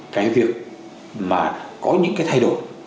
cái việc mà có những cái thay đổi